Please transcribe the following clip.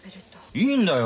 いいんだよ